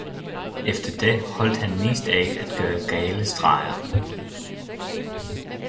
Efter det holdt han mest af at gøre gale streger.